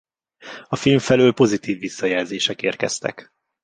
A film felől pozitív visszajelzések érkeztek.